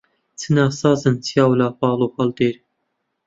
چ ناسازن چیا و لاپاڵ و هەڵدێر